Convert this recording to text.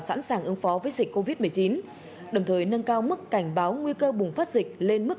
sẵn sàng ứng phó với dịch covid một mươi chín đồng thời nâng cao mức cảnh báo nguy cơ bùng phát dịch lên mức